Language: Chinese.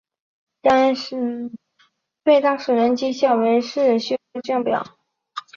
被当时的人讥笑为世修降表。